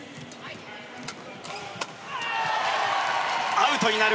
アウトになる。